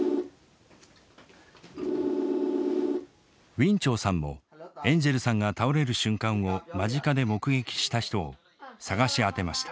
ウィン・チョウさんもエンジェルさんが倒れる瞬間を間近で目撃した人を探し当てました。